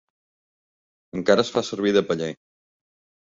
Encara es fa servir de paller.